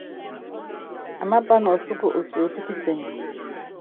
Amaapa nɔ ɔsúkɔ otiotó kisɛŋa ?